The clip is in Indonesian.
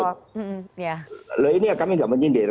lo ini ya kami nggak menyindir kami juga nggak pernah menyindir